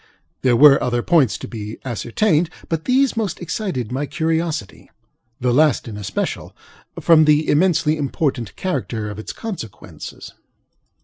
There were other points to be ascertained, but these most excited my curiosityŌĆöthe last in especial, from the immensely important character of its consequences.